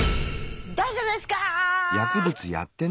大丈夫ですか！